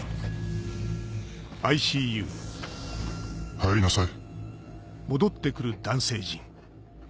入りなさい。